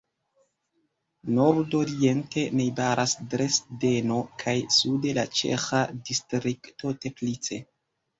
Nordoriente najbaras Dresdeno kaj sude la ĉeĥa distrikto Teplice.